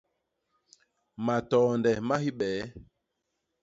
Matoonde ma hibee.